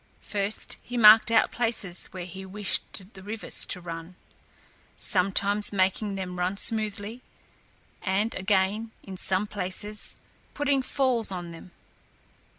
First, he marked out places where he wished the rivers to run, sometimes making them run smoothly, and again, in some places, putting falls on them.